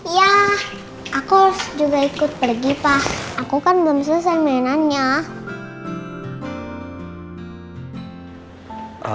ya aku juga ikut pergi pak aku kan belum selesai mainannya